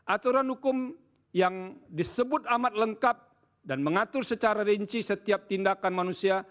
aturan hukum yang disebut amat lengkap dan mengatur secara rinci setiap tindakan manusia